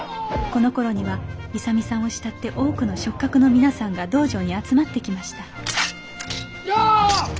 このころには勇さんを慕って多くの食客の皆さんが道場に集まってきましたやっ！